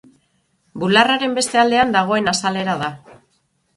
Bularraren beste aldean dagoen azalera da.